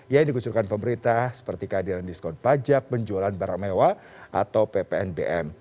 yang dikucurkan pemerintah seperti kehadiran diskon pajak penjualan barang mewah atau ppnbm